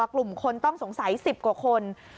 กลุ่มคนต้องสงสัย๑๐กว่าคน